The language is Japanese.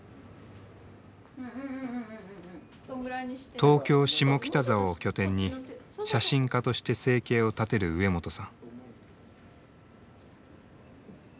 東京・下北沢を拠点に写真家として生計を立てる植本さん。